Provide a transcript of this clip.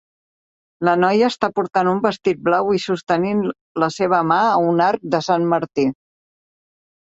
La noia està portant un vestit blau i sostenint la seva mà a un arc de Sant Martí